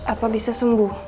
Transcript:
apa bisa sembuh